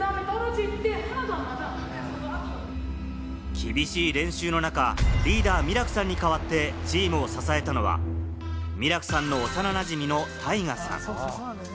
厳しい練習の中、リーダーのミラクさんに代わってチームを支えたのは、ミラクさんの幼なじみのタイガさん。